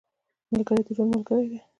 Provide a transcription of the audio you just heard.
ملګری د ژوند ملګری دی